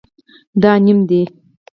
دا نیم دی